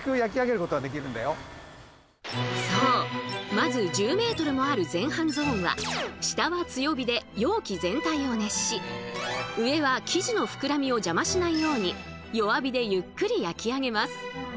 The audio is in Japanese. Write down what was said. まず１０ｍもある前半ゾーンは下は強火で容器全体を熱し上は生地の膨らみをじゃましないように弱火でゆっくり焼き上げます。